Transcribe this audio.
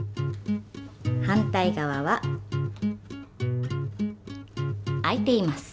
反対側は開いています。